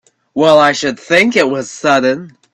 Well I should think it was sudden!